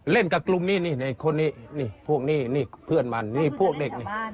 เล่นกับกลุ่มนี้คนนี้พวกนี้เพื่อนมันพวกเด็กนี้